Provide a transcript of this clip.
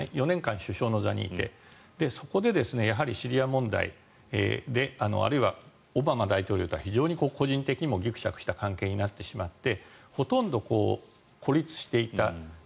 ４年間、首相の座にいてそこでシリア問題であるいはオバマ大統領とは非常に個人的にもぎくしゃくした関係になってしまってほとんど孤立していた。